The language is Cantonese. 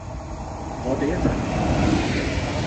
我哋一齊做